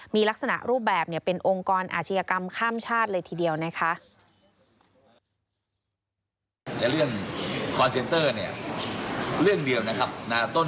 มีลักษณะรูปแบบเป็นองค์กรอาชญากรรมข้ามชาติเลยทีเดียวนะคะ